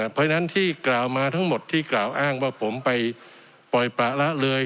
เพราะฉะนั้นที่กล่าวมาทั้งหมดที่กล่าวอ้างว่าผมไปปล่อยประละเลย